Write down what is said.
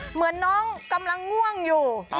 เหมือนน้องกำลังง่วงอยู่